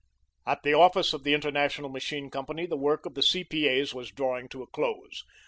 At the office of the International Machine Company the work of the C.P.A.'s was drawing to a close.